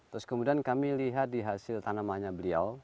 terus kemudian kami lihat di hasil tanamannya beliau